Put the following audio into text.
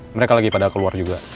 mereka lagi pada keluar juga